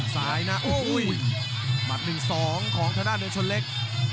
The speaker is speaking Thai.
ซ้ายหน้าโอ้โหหมัดหนึ่งสองของชนะเดินชนเล็ก